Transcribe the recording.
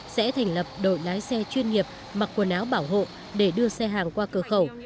sẽ thành lập đội lái xe chuyên nghiệp mặc quần áo bảo hộ để đưa xe hàng qua cửa khẩu